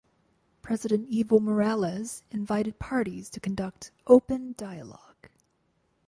President Evo Morales invited parties to conduct "open dialogue".